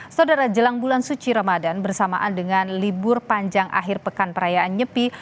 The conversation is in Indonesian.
saudara jelang bulan suci ramadan bersamaan dengan libur panjang akhir pekan perayaan nyepi